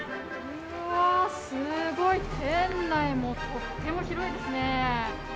うわすごい店内も、とっても広いですね。